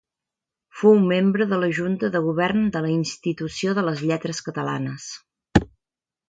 Fou membre de la junta de govern de la Institució de les Lletres Catalanes.